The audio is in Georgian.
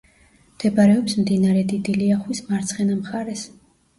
მდებარეობს მდინარე დიდი ლიახვის მარცხენა მხარეს.